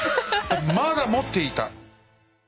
まだ持っていた。